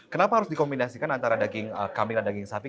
kenapa harus dikombinasikan antara daging kambing dan daging sapi